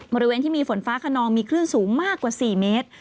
บริเวณที่มีฝนฟ้าขนองมีคลื่นสูงมากกว่า๔เมตร